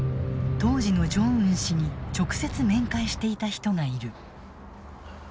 当時のジョンウン氏に直接面会していた人がいる。